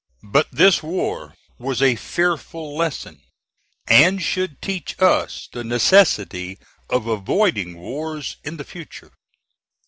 But this war was a fearful lesson, and should teach us the necessity of avoiding wars in the future.